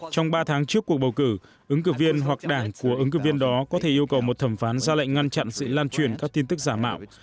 trong ba tháng trước cuộc bầu cử ứng cử viên hoặc đảng của ứng cử viên đó có thể yêu cầu một thẩm phán ra lệnh ngăn chặn sự lan truyền các tin tức giả mạo